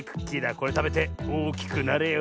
これたべておおきくなれよ。